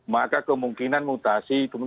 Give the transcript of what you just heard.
maka kemungkinan untuk kembali ke kota